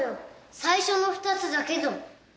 最初の２つだけぞ。